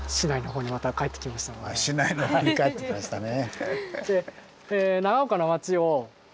「市内のほう」に帰ってきましたね。